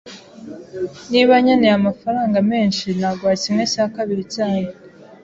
Niba nkeneye amafaranga menshi, naguha kimwe cya kabiri cyayo.